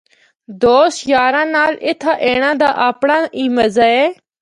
دوست یاراں نال اِتھا اینڑا دا اپنڑا ای مزہ اے۔